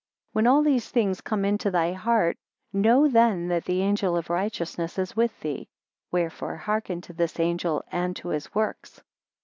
10 When all these things come into thy heart, know then that the angel of righteousness is with thee. Wherefore hearken to this angel and to his works.